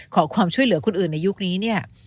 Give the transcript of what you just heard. ขอความช่วยเหลือคนอื่นในยุคนี้เนี่ย